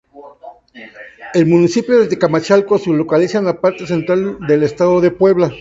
El municipio de Tecamachalco se localiza en la parte central del estado de Puebla.